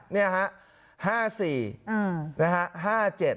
นี่ฮะ๕๔นะฮะ๕๗